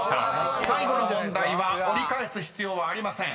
［最後の問題は折り返す必要はありません］